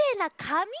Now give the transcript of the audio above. かみ？